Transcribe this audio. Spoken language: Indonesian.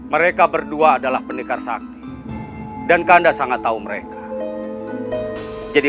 hai mereka berdua adalah pendekar sakti dan kanda sangat tahu mereka jadi